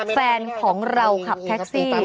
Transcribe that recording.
แฟนของเราขับแท็กซี่